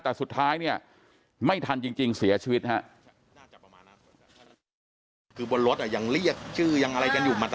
แต่สุดท้ายไม่ทันจริงเสียชีวิตครับ